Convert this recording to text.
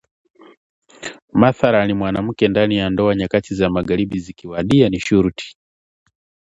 Mathalani mwanamke ndani ya ndoa nyakati za magharibi zikiwadia ni shurti